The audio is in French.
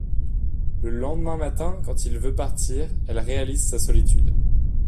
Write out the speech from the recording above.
Le lendemain matin, quand il veut partir, elle réalise sa solitude.